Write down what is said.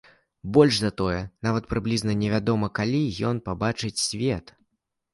Больш за тое, нават прыблізна невядома, калі ён пабачыць свет.